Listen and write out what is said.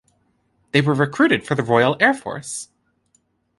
They were recruited for the Royal Air Force.